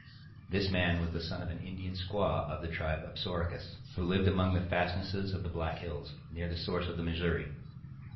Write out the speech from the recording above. This man was the son of an Indian squaw of the tribe of Upsarokas, who live among the fastnesses of the Black Hills, near the source of the Missouri.